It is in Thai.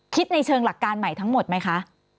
ในเชิงหลักการใหม่ทั้งหมดไหมคะ